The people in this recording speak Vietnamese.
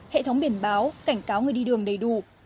hệ thống biển báo cảnh cáo người đi đường đầy đủ